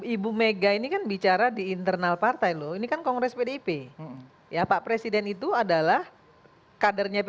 ibu mega ini kan bicara di internal partai loh ini kan kongres pdip ya pak presiden itu adalah kadernya p tiga